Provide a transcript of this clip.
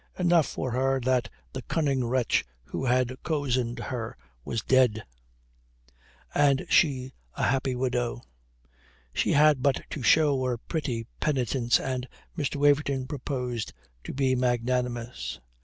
Enough for her that the cunning wretch who had cozened her was dead, and she a happy widow. She had but to show a pretty penitence, and Mr. Waverton proposed to be magnanimous.